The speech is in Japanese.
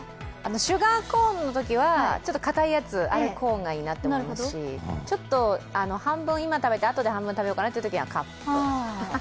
シュガーコーンのときはちょっとかたいやつあれ、コーンがいいなと思いますしちょっと半分、今食べて、あとで半分食べようかなというときはカップ。